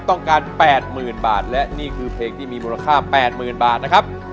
๘๐๐๐บาทและนี่คือเพลงที่มีมูลค่า๘๐๐๐บาทนะครับ